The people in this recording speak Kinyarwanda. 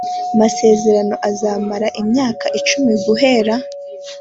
masezerano azamara imyaka icumi guhera